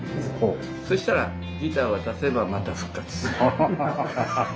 そしたらギター渡せばまた復活する。